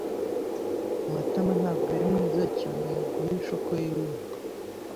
Matama ntabwo ari mwiza cyane mu guhisha uko yiyumva.